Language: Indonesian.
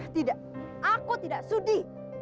tidak aku tidak sudi